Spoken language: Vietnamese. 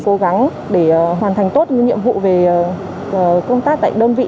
cố gắng để hoàn thành tốt nhiệm vụ về công tác tại đơn vị